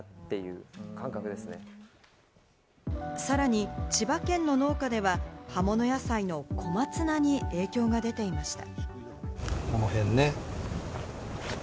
さらに千葉県の農家では、葉物野菜の小松菜に影響が出ていました。